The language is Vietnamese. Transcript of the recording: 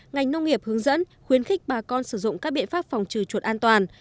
ngành nông nghiệp hướng dẫn khuyến khích bà con sử dụng các biện pháp phòng trừ chuột an toàn